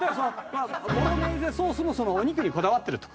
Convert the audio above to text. ボロネーゼソースもお肉にこだわってると。